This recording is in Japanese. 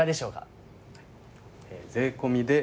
税込みで。